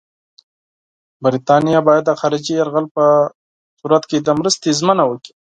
برټانیه باید د خارجي یرغل په صورت کې د مرستې ژمنه وکړي.